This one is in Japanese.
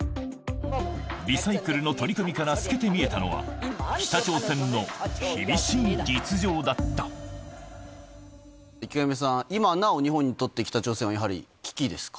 リサイクルの取り組みから透けて見えたのは、池上さん、今なお日本にとって北朝鮮はやはり危機ですか。